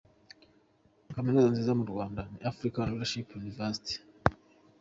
Kamenuza nziza mu Rwanda ni African Leadership University.